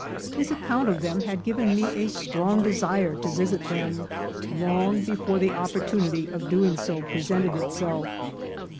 His account of them had given me a strong desire to visit them long before the opportunity of doing so presented itself.